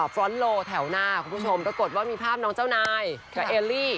ฟรอนโลแถวหน้าคุณผู้ชมปรากฏว่ามีภาพน้องเจ้านายกับเอลลี่